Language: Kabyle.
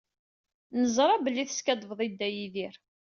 Neẓra belli teskaddbeḍ i Dda Yidir.